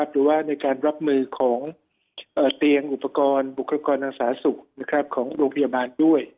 หรือว่าในการรับมือของเสี่ยงอุปกรณ์บุคคลกรระนักศึกษ์ของโรคพยาบาลด้วย